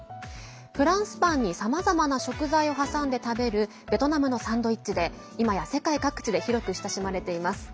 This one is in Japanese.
フランスパンにさまざまな食材を挟んで食べるベトナムのサンドイッチでいまや世界各地で広く親しまれています。